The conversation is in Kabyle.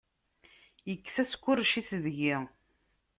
Yekkes askurec-is deg-i.